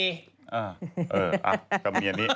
เออเออกับเมียนี้